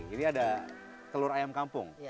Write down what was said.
ini ada telur ayam kampung